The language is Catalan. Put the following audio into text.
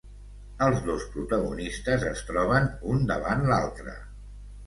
Els dos protagonistes es troben un davant l'altre.